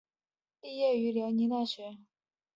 毕业于辽宁大学。